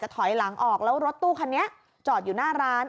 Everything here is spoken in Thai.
ถอยหลังออกแล้วรถตู้คันนี้จอดอยู่หน้าร้าน